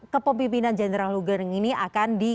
kepemimpinan jenderal lugurning ini akan di